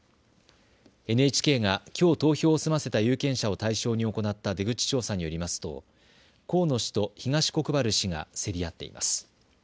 ＮＨＫがきょう投票を済ませた有権者を対象に行った出口調査によりますと河野氏と東国原氏が競り合っています。